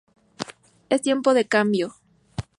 Es tiempo de cambio.